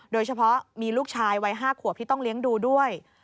โดยเฉพาะมีลูกชายวัย๕ขวบที่ต้องเลี้ยงดูด้วย